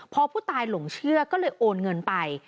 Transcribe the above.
พอผู้ตายหลงเชื่อก็เลยโอนเงินไป